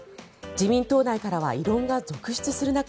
自民党内からは異論が続出する中